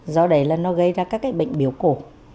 do đấy là nó gây ra các cái bệnh biểu cổ